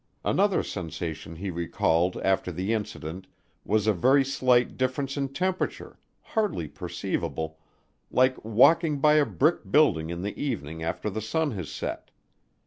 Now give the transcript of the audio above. Another sensation he recalled after the incident was a very slight difference in temperature, hardly perceivable, like walking by a brick building in the evening after the sun has set.